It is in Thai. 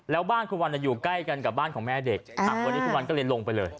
แล้วบ้านคุณวันอยู่ใกล้กันกับบ้านของแม่เด็กวันนี้คุณวันก็เลยลงไปเลย